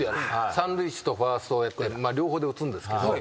三塁手とファーストをやってる両方で打つんですけど。